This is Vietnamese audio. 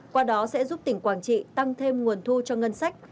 qua đó sẽ giúp tỉnh quảng trị tăng thêm nguồn thu cho ngân sách